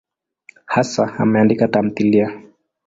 Hasa ameandika tamthiliya.